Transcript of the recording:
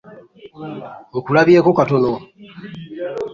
Nkulabyeko katono.